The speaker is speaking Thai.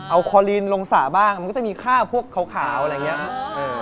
อัลคอลินลงสระบ้างมันก็จะมีค่าพวกขาวอะไรอย่างเงี้ย